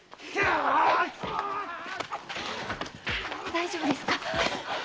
大丈夫ですか？